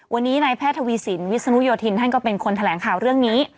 วันนี้นายแพทย์ทวีสินวิศนุโยธินท่านก็เป็นคนแถลงข่าวเรื่องนี้